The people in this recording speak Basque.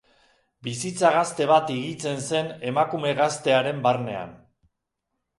Bizitza gazte bat higitzen zen emakume gazte haren barnean.